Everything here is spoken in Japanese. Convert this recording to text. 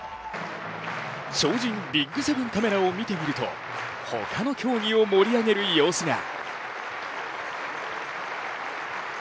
超人ＢＩＧ７カメラを見てみると他の競技を盛り上げる様子が。